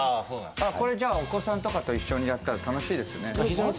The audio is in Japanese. これ、お子さんとかと一緒にやったら楽しいですね。